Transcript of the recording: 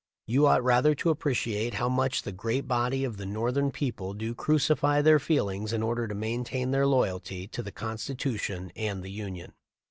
You ought rather to appreciate how much the great body of the Northern people do crucify their feelings in order to maintain their loyalty to the Constitution and the Union.